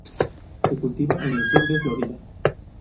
Se cultiva en el sur de Florida.